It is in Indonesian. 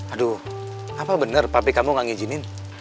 aduh apa bener papi kamu gak ngijinin